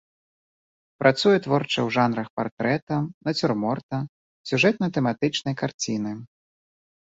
Працуе творча ў жанрах партрэта, нацюрморта, сюжэтна-тэматычнай карціны.